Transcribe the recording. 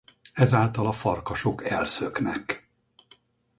Ezáltal a farkasok elszöknek.